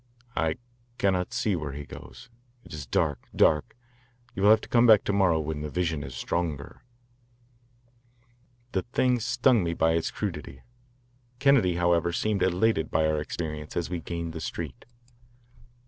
"I cannot see where he goes. It is dark, dark. You will have to come back to morrow when the vision is stronger." The thing stung me by its crudity. Kennedy, however, seemed elated by our experience as we gained the street.